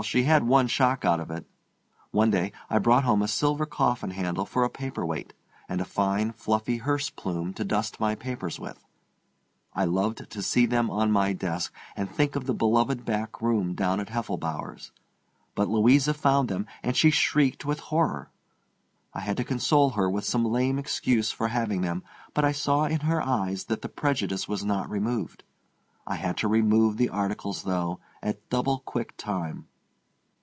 —she had one shock out of it. One day I brought home a silver coffin handle for a paper weight and a fine, fluffy hearse plume to dust my papers with. I loved to see them on my desk, and think of the beloved back room down at Heffelbower's. But Louisa found them, and she shrieked with horror. I had to console her with some lame excuse for having them, but I saw in her eyes that the prejudice was not removed. I had to remove the articles, though, at double quick time.